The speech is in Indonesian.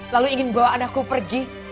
lalu ingin bawa anakku pergi